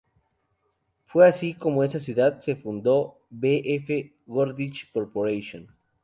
Fue así como en esa ciudad se fundó "B. F. Goodrich Corporation".